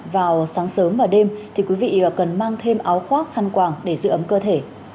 vào sáng sớm và đêm thì quý vị cần mang thêm áo khoác khăn quảng để giữ ấm cơ thể